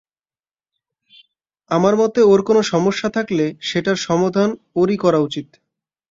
আমার মতে ওর কোনো সমস্যা থাকলে, সেটার সমাধান ওরই করা উচিত।